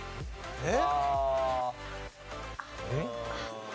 えっ？